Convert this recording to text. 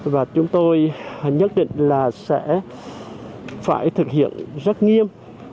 và chúng tôi nhất định là sẽ phải thực hiện rất nghiêm